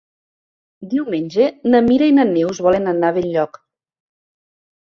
Diumenge na Mira i na Neus volen anar a Benlloc.